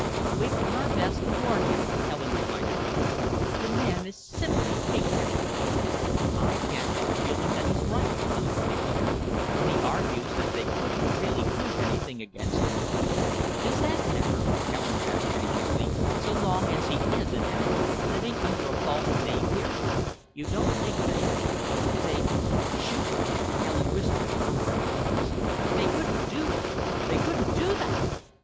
"We've done our best to warn him," Helen reminded her friend. "The man is simply pig headed." "I can't help feeling that he's right," Philippa declared, "when he argues that they couldn't really prove anything against him." "Does that matter," Helen asked anxiously, "so long as he is an enemy, living under a false name here?" "You don't think they'd they'd " "Shoot him?" Helen whispered, lowering her voice. "They couldn't do that! They couldn't do that!"